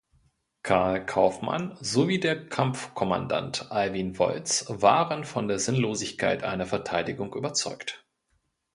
Karl Kaufmann sowie der Kampfkommandant Alwin Wolz waren von der Sinnlosigkeit einer Verteidigung überzeugt.